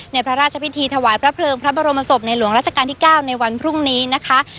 ในพระราชพิธีถวายพระเพลิงพระบรมศพในหลวงราชการที่๙ในวันพรุ่งนี้นะคะ